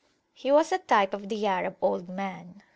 He was a type of the Arab old man.